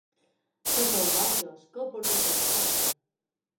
Que sou bojos, que heu perdut el seny?